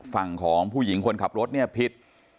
ฝั่งของผู้หญิงคนขับรถเนี่ยผิด